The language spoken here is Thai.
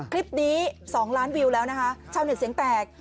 คลิปนี้๒ล้านวิวแล้วนะคะชาวเน็ตเสียงแตก